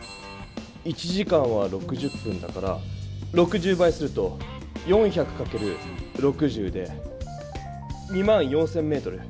１時間は６０分だから６０倍すると４００かける６０で２４０００メートル。